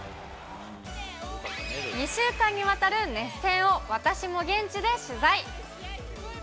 ２週間にわたる熱戦を、私も現地で取材。